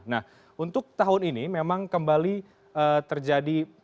nah untuk tahun ini memang kembali terjadi